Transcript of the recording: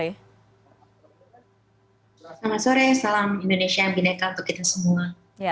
selamat sore salam indonesia bindeka untuk kita semua